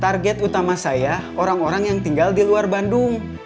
target utama saya orang orang yang tinggal di luar bandung